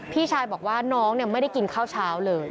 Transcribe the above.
พี่ชายบอกว่าน้องไม่ได้กินข้าวเช้าเลย